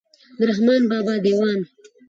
د رحمان بابا دېوان.